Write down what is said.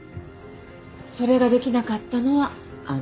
それができなかったのはあなた